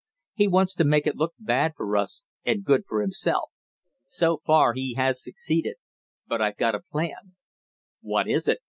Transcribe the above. He wants to make it look bad for us, and good for himself. So far he has succeeded. But I've got a plan." "What is it?"